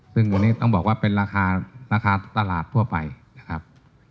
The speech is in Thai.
ซึ่งวันนี้ต้องบอกว่าเป็นราคาราคาตลาดทั่วไปนะครับ